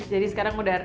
jadi sekarang udah